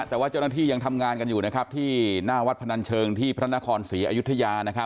แต่ว่าเจ้าหน้าที่ยังทำงานกันอยู่ที่หน้าวัดพนันเชิงที่พระนครศรีอยุธยา